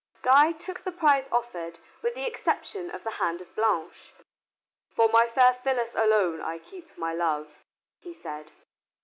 Guy took the prize offered with the exception of the hand of Blanche. "For my fair Phyllis alone I keep my love," he said.